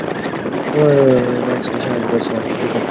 台湾虎尾草为禾本科虎尾草下的一个种。